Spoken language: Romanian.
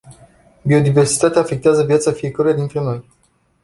Biodiversitatea afectează viața fiecăruia dintre noi.